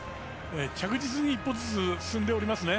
着実に一歩ずつ進んでおりますね。